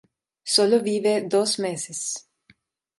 Sólo vive dos meses.